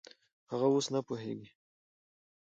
هغه اوس نه پوهېږي.